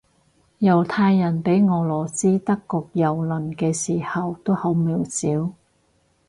猶太人畀俄羅斯德國蹂躪嘅時候都好渺小